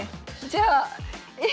じゃあえ？